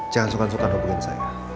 jangan sukan sukan hubungin saya